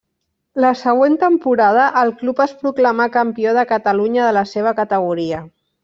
La següent temporada el club es proclamà campió de Catalunya de la seva categoria.